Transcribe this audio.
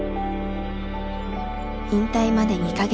引退まで２か月。